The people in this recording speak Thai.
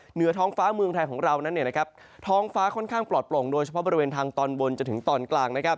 เหนือท้องฟ้าเมืองไทยของเรานั้นท้องฟ้าค่อนข้างปลอดโปร่งโดยเฉพาะบริเวณทางตอนบนจนถึงตอนกลาง